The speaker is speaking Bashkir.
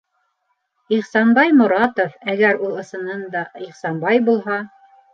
Ихсанбай Моратов, әгәр ул ысындан да Ихсанбай булһа...